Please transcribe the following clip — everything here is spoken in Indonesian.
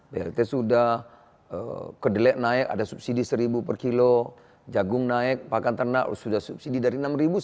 blt sudah kedelai naik ada subsidi seribu per kilo jagung naik pakan ternak sudah subsidi dari rp enam sembilan ratus